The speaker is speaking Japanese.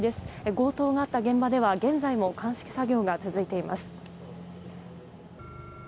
強盗があった現場では現在も鑑識作業が続いています。